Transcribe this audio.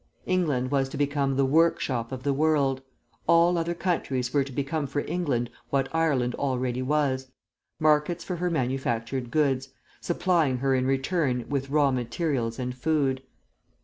England was to become the 'workshop of the world;' all other countries were to become for England what Ireland already was, markets for her manufactured goods, supplying her in return with raw materials and food.